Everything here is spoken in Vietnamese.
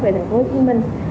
về thành phố hồ chí minh